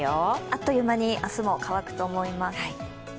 あっという間に明日も乾くと思います。